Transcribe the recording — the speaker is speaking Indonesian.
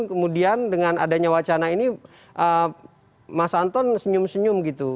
kemudian dengan adanya wacana ini mas anton senyum senyum gitu